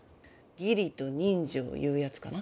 義理と人情いうやつかな。